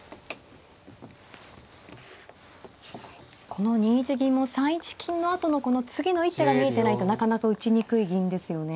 この２一銀も３一金のあとのこの次の一手が見えてないとなかなか打ちにくい銀ですよね。